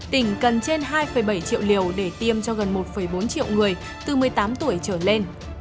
tỉnh cần trên hai bảy triệu liều để tiêm cho gần một bốn triệu người từ một mươi tám tuổi trở lên